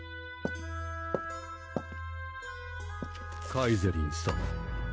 カイゼリンさま